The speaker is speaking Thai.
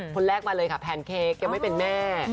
คนลากมาเลยค่ะแฟนเคกก็ไม่เป็นแม่